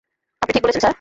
আপনি ঠিক বলেছেন, স্যার।